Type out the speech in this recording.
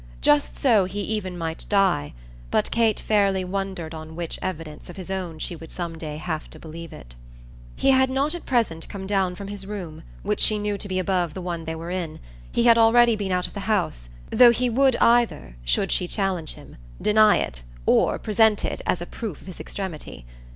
Just so he even might die, but Kate fairly wondered on what evidence of his own she would some day have to believe it. He had not at present come down from his room, which she knew to be above the one they were in: he had already been out of the house, though he would either, should she challenge him, deny it or present it as a proof of his extremity.